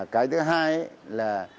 cái thứ hai là